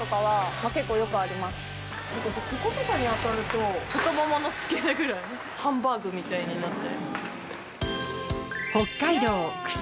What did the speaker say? こことかに当たると太ももの付け根ぐらい。になっちゃいます。